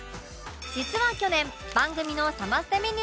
実は去年番組のサマステメニューに対し